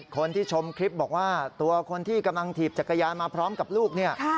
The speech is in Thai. คนที่ชมคลิปบอกว่าตัวคนที่กำลังถีบจักรยานมาพร้อมกับลูกเนี่ย